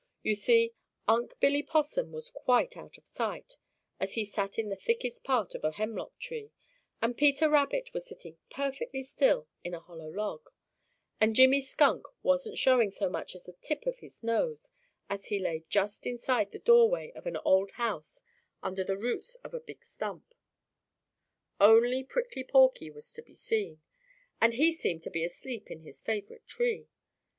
You see, Unc' Billy Possum was quite out of sight, as he sat in the thickest part of a hemlock tree, and Peter Rabbit was sitting perfectly still in a hollow log, and Jimmy Skunk wasn't showing so much as the tip of his nose, as he lay just inside the doorway of an old house under the roots of a big stump. Only Prickly Porky was to be seen, and he seemed to be asleep in his favorite tree.